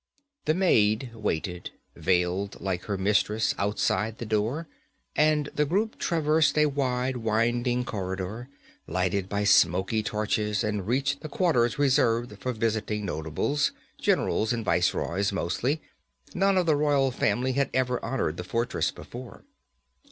The maid waited, veiled like her mistress, outside the door, and the group traversed a wide, winding corridor, lighted by smoky torches, and reached the quarters reserved for visiting notables generals and viceroys, mostly; none of the royal family had ever honored the fortress before.